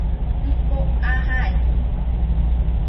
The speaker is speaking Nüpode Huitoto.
Jiko aa jaide